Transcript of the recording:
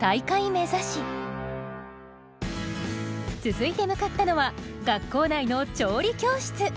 続いて向かったのは学校内の調理教室。